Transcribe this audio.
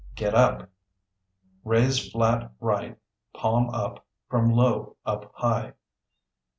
Get up (Raise flat right, palm up, from low up high).